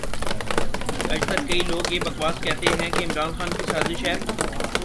اجتک کئئ لوگ یہ بکواس کہتے ھیں کہ عمران خان کی سازش ھے